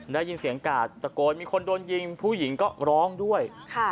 ได้ยินเสียงกาดตะโกนมีคนโดนยิงผู้หญิงก็ร้องด้วย